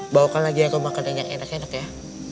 bawakan lagi aku makan yang enak enak ya